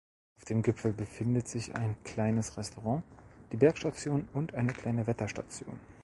Auf dem Gipfel befindet sich ein kleines Restaurant, die Bergstation und eine kleine Wetterstation.